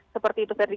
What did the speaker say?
seperti itu ferdi